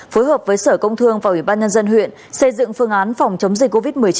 phối hợp với sở công thương và ủy ban nhân dân huyện xây dựng phương án phòng chống dịch covid một mươi chín